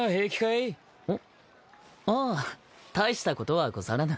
ああ大したことはござらぬ。